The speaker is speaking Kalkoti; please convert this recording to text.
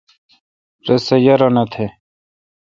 رس سہ یارانو تھ۔